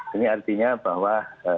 ini artinya bahwa